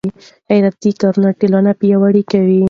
خیراتي کارونه ټولنه پیاوړې کوي.